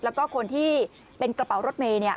แล้วก็คนที่เป็นกระเป๋ารถเมย์เนี่ย